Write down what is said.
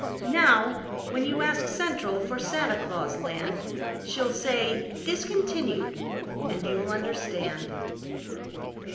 Now, when you ask "Central" for Santa Claus land She'll say, "discontinued" and you'll understand.